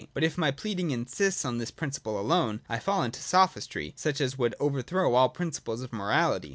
But if my pleading insists on this principle alone I fall into Sophistry, such as would overthrow all the principles of morahty.